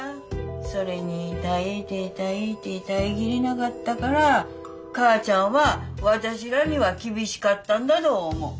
それに耐えて耐えて耐え切れながっだから母ちゃんは私らには厳しかったんだと思う。